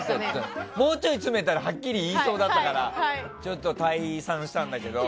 もうちょい詰めたらはっきり言いそうだったからちょっと退散したんだけど。